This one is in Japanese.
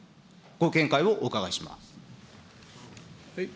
ご見解をお伺いします。